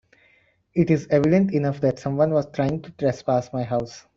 It is evident enough that someone was trying to trespass my house.